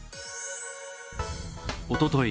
おととい